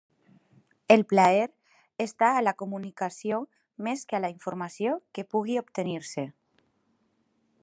El plaer està a la comunicació més que a la informació que pugui obtenir-se.